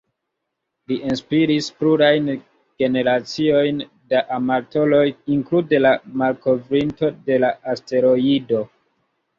Li inspiris plurajn generaciojn da amatoroj, inklude la malkovrinto de la asteroido.